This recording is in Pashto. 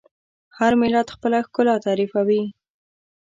هر ملت خپله ښکلا تعریفوي.